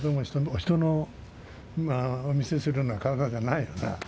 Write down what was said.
人にお見せするような体ではないよな。